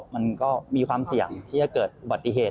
มันก็มีความเสี่ยงที่จะเกิดอุบัติเหตุ